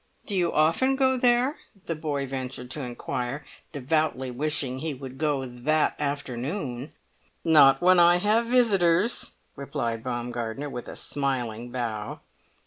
"Do you often go there?" the boy ventured to inquire, devoutly wishing he would go that afternoon. "Not when I have visitors," replied Baumgartner, with a smiling bow.